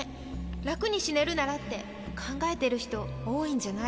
楽に死ねるならって考えてる人多いんじゃない」